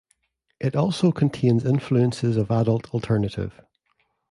It also contains influences of adult alternative.